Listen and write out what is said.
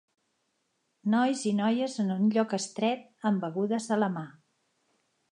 Nois i noies en un lloc estret amb begudes a la mà.